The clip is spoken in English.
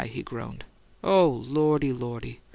he groaned. "Oh, Lordy, Lordy!